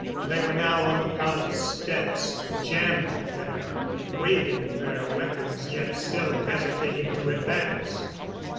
They were now on the palace steps, jammed there waving their weapons yet still hesitating to advance.